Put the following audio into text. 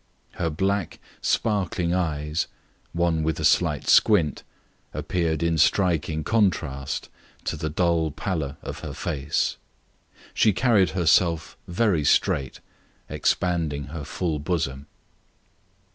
Her black, sparkling eyes, one with a slight squint, appeared in striking contrast to the dull pallor of her face. She carried herself very straight, expanding her full bosom.